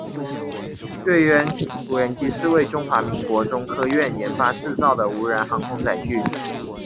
锐鸢无人机是为中华民国中科院研发制造的无人航空载具。